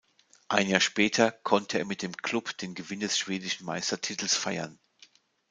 Ein Jahr später konnte er mit dem Klub den Gewinn des schwedischen Meistertitels feiern.